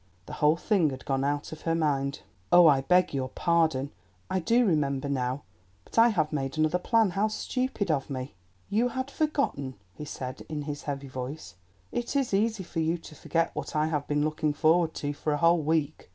The whole thing had gone out of her mind. "Oh, I beg your pardon! I do remember now, but I have made another plan—how stupid of me!" "You had forgotten," he said in his heavy voice; "it is easy for you to forget what I have been looking forward to for a whole week.